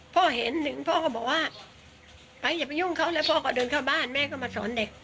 พ่อเห็นหนึ่งพ่อก็บอกว่าไปอย่าไปยุ่งเขาแล้วพ่อก็เดินเข้าบ้านแม่ก็มาสอนเด็ก